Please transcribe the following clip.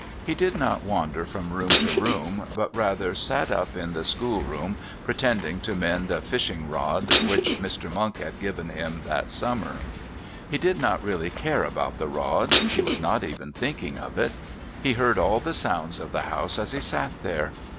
He did not wander from room to room, but rather sat up in the schoolroom pretending to mend a fishing rod which Mr. Monk had given him that summer. He did not really care about the rod he was not even thinking of it. He heard all the sounds of the house as he sat there.